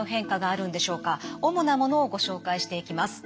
主なものをご紹介していきます。